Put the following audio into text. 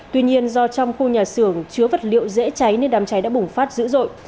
tuy nhiên do trong khu nhà xưởng chứa vật liệu dễ cháy nên đám cháy đã bùng phát dữ dội